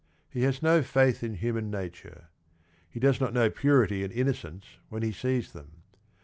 Jle has no faith in human nature He does not know purity and innocence wh en he s ees th em.